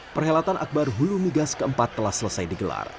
perhelatan akbar hulu migas keempat telah selesai digelar